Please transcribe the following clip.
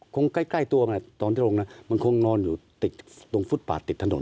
คงใกล้ตัวมันคงนอนตรงฟุตร์ปากติดถนน